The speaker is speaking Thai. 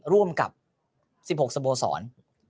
ร่วมกับ๑๖สโมสร